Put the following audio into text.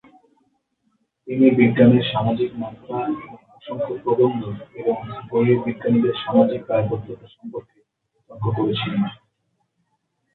তিনি বিজ্ঞানের সামাজিক মাত্রা, এবং অসংখ্য প্রবন্ধ এবং বইয়ে বিজ্ঞানীদের সামাজিক দায়বদ্ধতা সম্পর্কে তর্ক করেছিলেন।